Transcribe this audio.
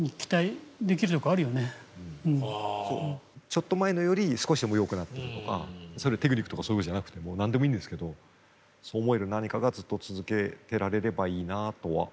ちょっと前のより少しでもよくなったりとかテクニックとかそういうことじゃなくても何でもいいんですけどそう思える何かがずっと続けてられればいいなとは思います。